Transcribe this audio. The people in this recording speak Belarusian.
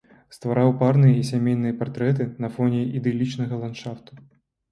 Ствараў парныя і сямейныя партрэты на фоне ідылічнага ландшафту.